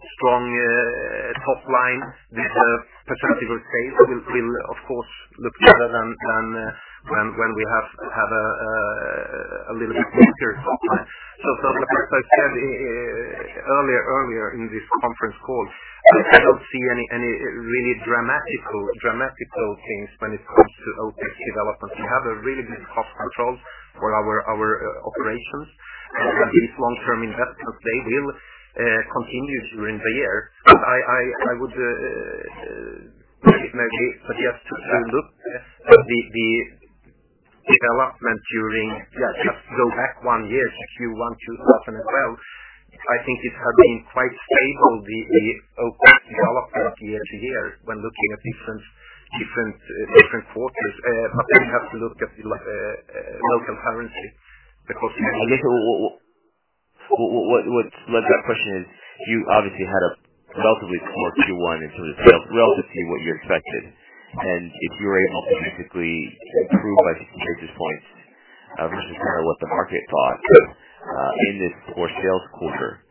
top line with a percentage of sales, we'll of course look better than when we have had a little bit weaker top line. Like I said earlier in this conference call, I don't see any really dramatic changes when it comes to OpEx development. We have a really good cost control for our operations, and these long-term investments, they will continue during the year. I would maybe suggest to look at the development during Just go back one year to Q1 2012. I think it has been quite stable, the OpEx development year-to-year when looking at different quarters. You have to look at the local currency because. I guess what led that question is you obviously had a relatively strong Q1 in terms of sales, relatively what you expected. If you were able to basically improve, I guess, from your viewpoint, which is kind of what the market thought, in this core sales quarter,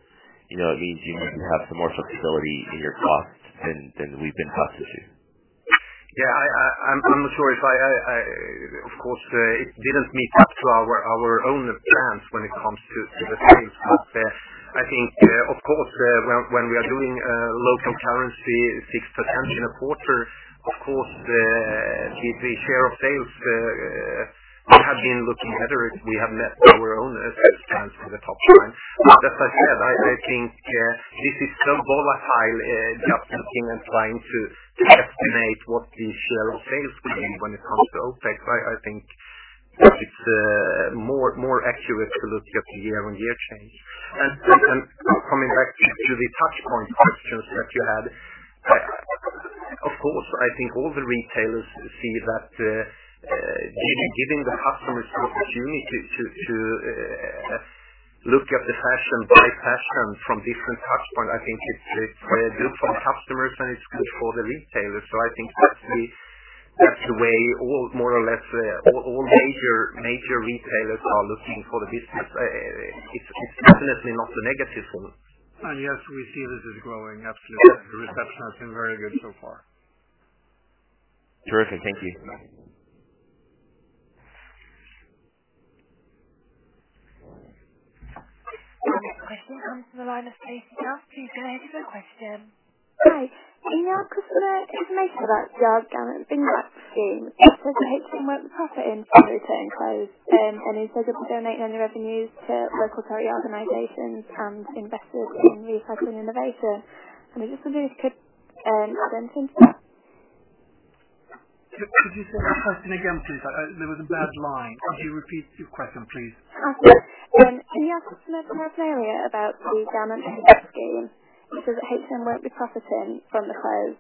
it means you have some more flexibility in your costs than we've been accustomed to. Yeah. Of course, it didn't meet up to our own plans when it comes to the sales. I think, of course, when we are doing local currency 6% in a quarter, of course, the share of sales could have been looking better if we had met our own plans for the top line. As I said, I think this is so volatile, just looking and trying to estimate what the share of sales will be when it comes to OpEx. I think it's more accurate to look at the year-on-year change. Coming back to the touchpoint questions that you had, of course, I think all the retailers see that giving the customers the opportunity to look at the fashion, buy fashion from different touchpoints, I think it's good for the customers, and it's good for the retailers. I think that's the way more or less all major retailers are looking for the business. It's definitely not a negative for us. Yes, we see that it's growing. Absolutely. The reception has been very good so far. Terrific. Thank you. The next question comes from the line of Stacy Downs. Please go ahead with your question. Hi. Can you ask for more information about the garment industry scheme? H&M won't be profiting from the clothes, and instead of donating any revenues to local charity organizations and invested in new recycling innovation. I'm just wondering if you could add anything to that? Could you say that question again, please? There was a bad line. Could you repeat your question, please? Can you ask for more clarity about the garment industry scheme? H&M won't be profiting from the clothes,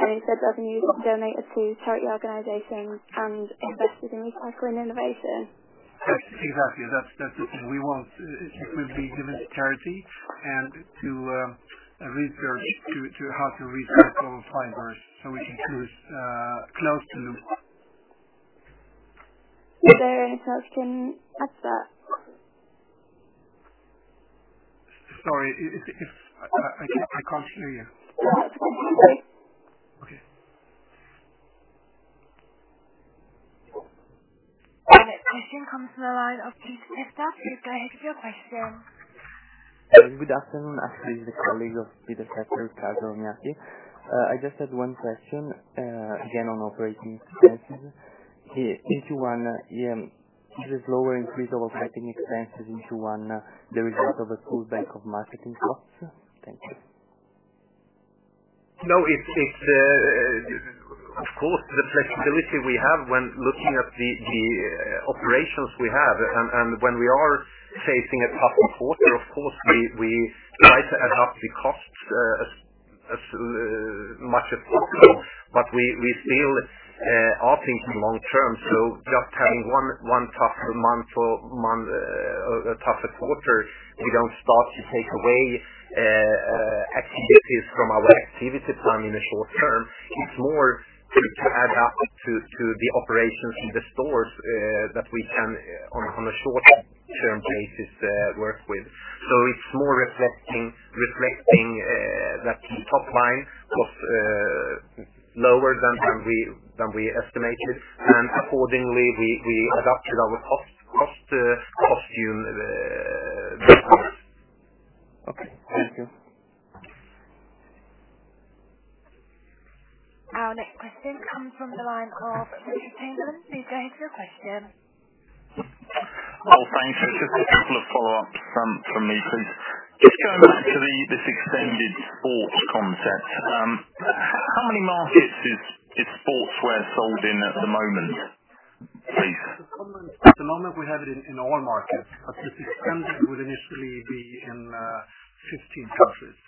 and instead revenues will be donated to charity organizations and invested in new recycling innovation. Exactly. That's what we want. It will be given to charity and to research, to help to recycle fibers so we can produce clothes too. Are there any clothes can match that? Sorry, I cannot hear you. The next question comes from the line of Peter Testa. Please go ahead with your question. Good afternoon. Actually, the colleague of Peter Testa, Carlo Testa. I just had one question, again, on operating expenses. Q1, is this lower increase of operating expenses in Q1 the result of a pullback of marketing costs? Thank you. No. Of course, the flexibility we have when looking at the operations we have, and when we are facing a tougher quarter, of course, we try to adapt the costs as much as possible. We still are thinking long term. Just having one tougher month or a tougher quarter, we do not start to take away activities from our activity plan in the short term. It is more to adapt to the operations in the stores that we can, on a short-term basis, work with. It is more reflecting that the top line was lower than we estimated, and accordingly, we adapted our cost behavior. Our next question comes from the line of [Richard Chamberlain]. Please go ahead with your question. Oh, thanks. Just a couple of follow-ups from me, please. Just going back to this extended sports concept. How many markets is sportswear sold in at the moment, please? At the moment we have it in all markets. This extension would initially be in 15 countries.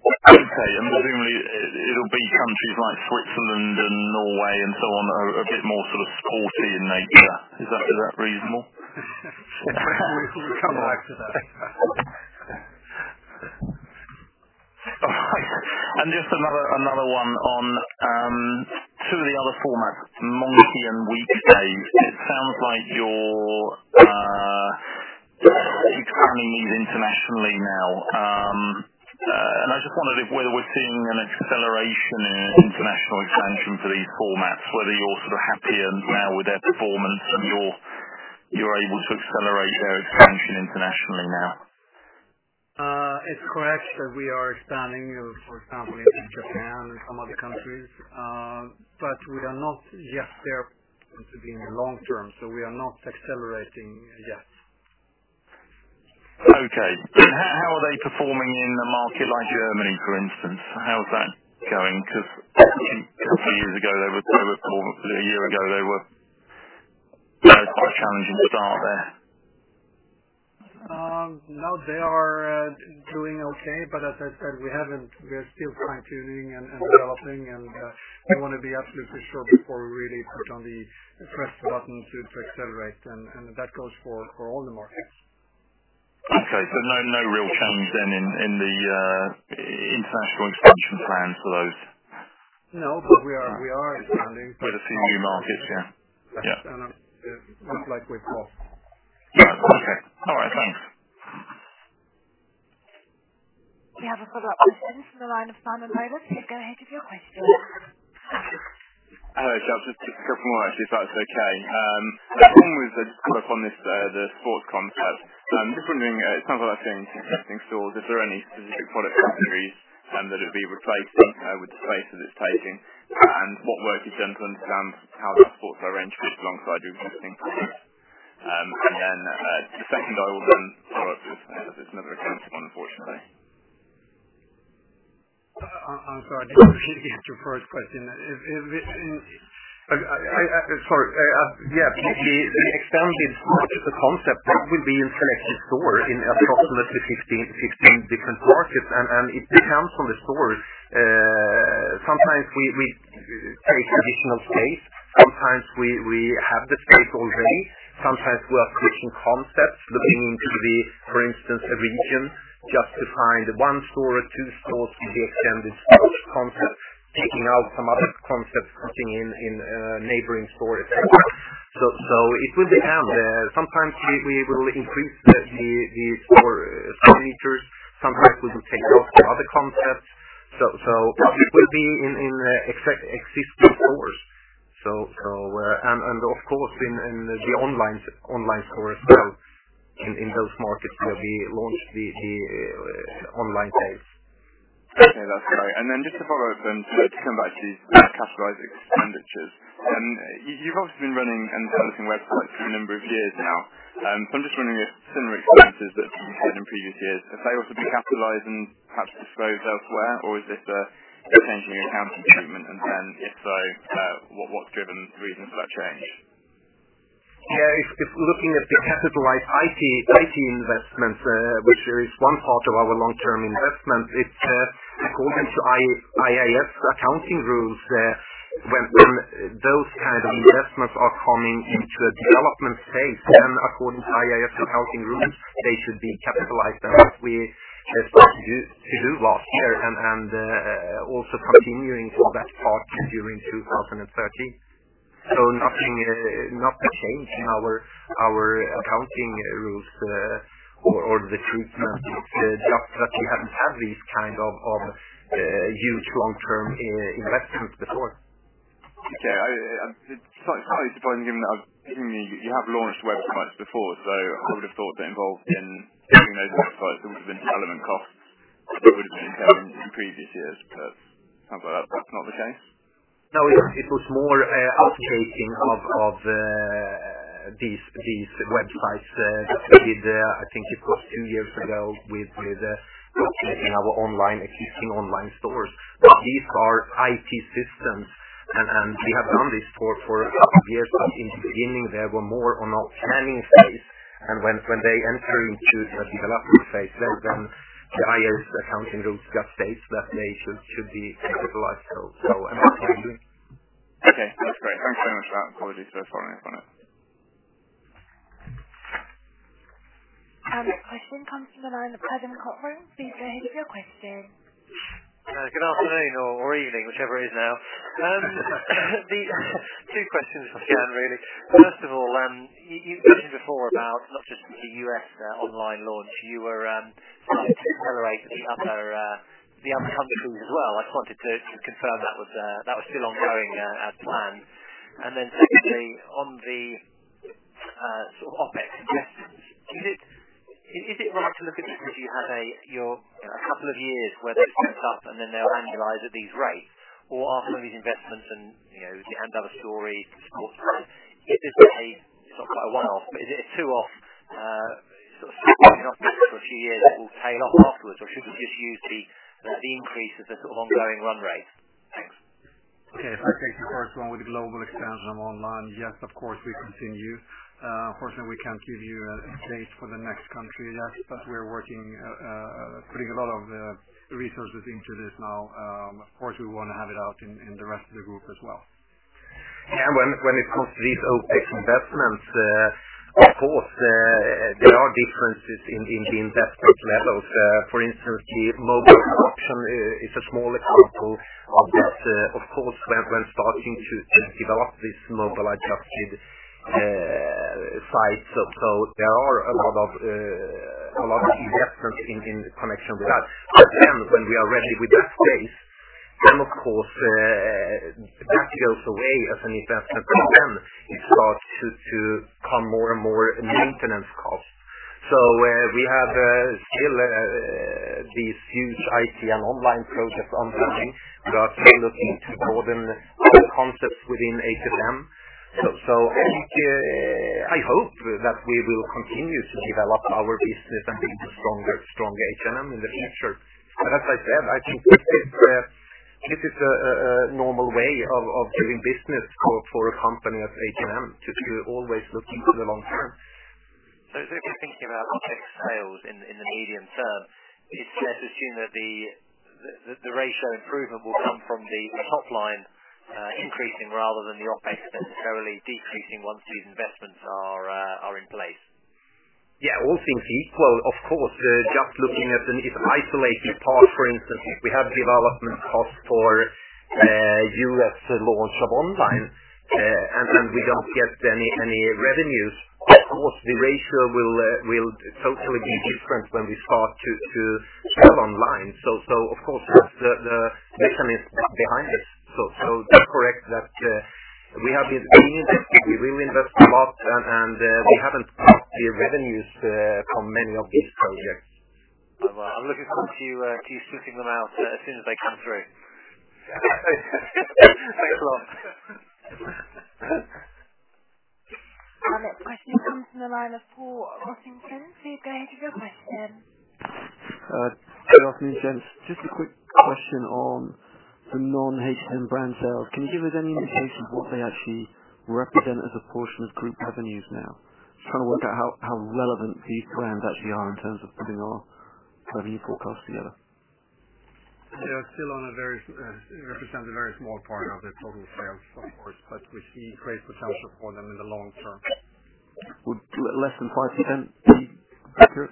Okay. Presumably, it'll be countries like Switzerland and Norway and so on, are a bit more sort of sporty in nature. Is that reasonable? We can't answer that. All right. Just another one on two of the other formats, Monki and Weekday. It sounds like you're expanding these internationally now. I just wondered if whether we're seeing an acceleration in international expansion for these formats, whether you're sort of happy and well with their performance, and you're able to accelerate their expansion internationally now. It's correct that we are expanding, for example, in Japan and some other countries. We are not yet there to be in the long term, so we are not accelerating yet. Okay. How are they performing in a market like Germany, for instance? How's that going? A few years ago, they were sort of, or a year ago, they were at quite a challenging start there. They are doing okay. As I said, we are still fine-tuning and developing, we want to be absolutely sure before we really press the button to accelerate. That goes for all the markets. Okay. No real change then in the international expansion plans for those. No, we are expanding. For the few markets, yeah. Yeah. Most likely fall. Right. Okay. All right, thanks. We have a follow-up question from the line of [Simon Rogers]. Please go ahead with your question. Hello, Johan. Just a couple more actually, if that's okay. Starting with a follow-up on the sports concept. Just wondering, it sounds like they're in existing stores. Is there any specific product categories that it'd be replacing with the space that it's taking? What work is done to understand how that sportswear range fits alongside your existing range? The second I will then follow up with another account one, unfortunately. I'm sorry, I didn't fully get your first question. Sorry. We expanded much of the concept that will be in selective stores in approximately 15 different markets. It depends on the stores. Sometimes we take additional space. Sometimes we have the space already. Sometimes we are creating concepts, looking into the, for instance, a region just to find one store or two stores with the extended sports concept, taking out some other concepts, putting in neighboring store, et cetera. It will depend. Sometimes we will increase the store square meters. Sometimes we will take out other concepts. It will be in existing stores. Of course, in the online stores as well, in those markets where we launched the online space. Okay, that's great. Just to follow up then, to come back to capitalized expenditures. You've obviously been running and developing websites for a number of years now. I'm just wondering if similar expenses that you've had in previous years, have they also been capitalized and perhaps disclosed elsewhere? Or is this a change in your accounting treatment? If so, what's driven the reasons for that change? If looking at the capitalized IT investments, which is one part of our long-term investment, it's according to IAS accounting rules, when those kind of investments are coming into a development phase, then according to IAS accounting rules, they should be capitalized. That's what we started to do last year and also continuing for that part during 2013. Nothing changed in our accounting rules or the treatment. It's just that we haven't had these kind of huge long-term investments before. Okay. Slightly surprising given that you have launched websites before, I would have thought that involved in building those websites would have been relevant costs that would have been shown in previous years. Sounds like that's not the case. No, it was more, upgrading of these websites that we did, I think it was 2 years ago with updating our existing online stores. These are IT systems, and we have done this for a couple of years. In the beginning, they were more on a planning phase. When they enter into the development phase, then the IAS accounting rules states that they should be capitalized. Okay. That's great. Thanks so much for that. Apologies for following up on it. Our next question comes from the line of [Adam Karlsson]. Please go ahead with your question. Good afternoon or evening, whichever it is now. two questions for Jyrki, really. First of all, you mentioned before about not just the U.S. online launch. You were trying to accelerate the other countries as well. I just wanted to confirm that was still ongoing as planned. Then secondly, on OpEx investments. Is it right to look at this as you have a couple of years where they've gone up and then they'll annualize at these rates? Or are some of these investments and the & Other Stories, of course, is a, not quite a one-off, but is it a two-off, sort of sticking up for a few years, it will tail off afterwards? Or should we just use the increase as a sort of ongoing run rate? Thanks. Okay. If I take the first one with the global expansion of online. Yes, of course, we continue. Unfortunately, we can't give you a date for the next country yet, but we're working, putting a lot of resources into this now. Of course, we want to have it out in the rest of the group as well. When it comes to these OpEx investments, of course, there are differences in the investment levels. For instance, the mobile adoption is a small example of this. Of course, we're starting to develop this mobile-adjusted site. There are a lot of investments in connection with that. When we are ready with that phase, then of course, that goes away as an investment, and then it starts to come more and more maintenance costs. We have still these huge H&M online projects ongoing. We are tailoring to modern concepts within H&M. I think, I hope that we will continue to develop our business and build a stronger H&M in the future. As I said, I think this is a normal way of doing business for a company like H&M, to always looking to the long term. If you're thinking about OpEx sales in the medium term, it's fair to assume that the ratio improvement will come from the top line increasing rather than the OpEx necessarily decreasing once these investments are in place. Yeah, all things equal. Of course, just looking at an isolated part, for instance, we have development costs for U.S. launch of online, and we don't get any revenues. Of course, the ratio will totally be different when we start to sell online. Of course, that's the mechanism behind it. That's correct that we have been investing. We will invest a lot, and we haven't got the revenues from many of these projects. Well, I'm looking forward to you sweeping them out as soon as they come through. Our next question comes from the line of Paul Rossington. Please go ahead with your question. Good afternoon, gents. Just a quick question on the non-H&M brand sales. Can you give us any indication what they actually represent as a portion of group revenues now? Trying to work out how relevant these brands actually are in terms of putting our revenue forecast together. They are still represent a very small part of the total sales, of course, but we see great potential for them in the long term. Less than 5% would be accurate?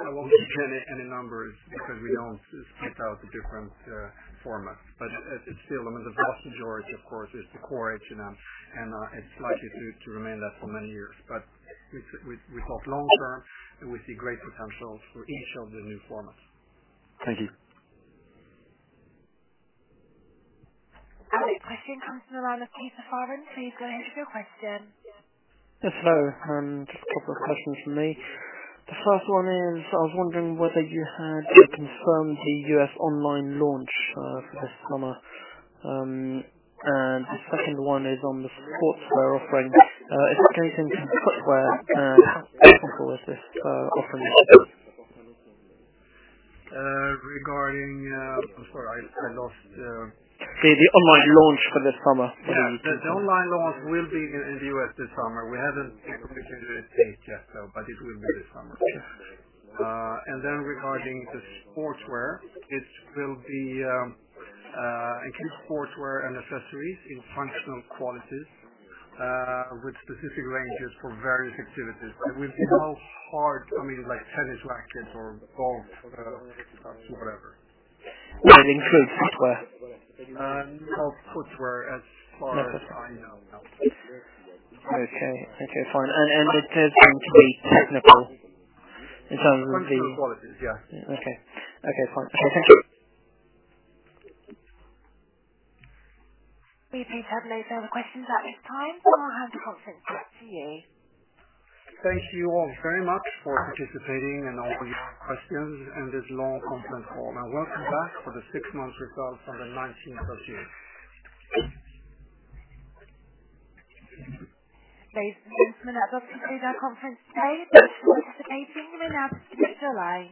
I won't give you any numbers because we don't speak out the different formats. Still, the vast majority, of course, is the core H&M, and it's likely to remain that for many years. We thought long-term, there will be great potential for each of the new formats. Thank you. Our next question comes from the line of Peter Farren. Please go ahead with your question. Yes, hello. Just a couple of questions from me. The first one is, I was wondering whether you had confirmed the U.S. online launch for this summer. The second one is on the sportswear offering. Is anything from Footwear included with this offering? Regarding I'm sorry, I lost. The online launch for this summer. Yeah. The online launch will be in the U.S. this summer. We haven't committed to a date yet, though, but it will be this summer. Regarding the sportswear, it will be, I think, sportswear and accessories in functional qualities, with specific ranges for various activities. It will be no hard, I mean, like tennis rackets or golf clubs or whatever. That includes footwear. Not footwear, as far as I know. No. Okay. Okay, fine. It is going to be technical in terms of. Functional qualities. Yeah. Okay. Okay, fine. Okay, thank you. We appear to have no further questions at this time. I'll hand the conference back to you. Thank you all very much for participating and all these questions in this long conference call. Welcome back for the six months results on the 19th of June. [inaudible]